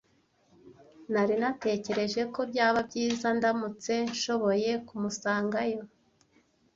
Nari natekereje ko byaba byiza ndamutse nshoboye kumusangayo.